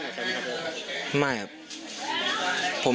ที่ผ่านมาเราเคยไปมีเรื่องอะไรกันครับโอ้โฮ